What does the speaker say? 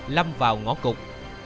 lâm vào ngõ cục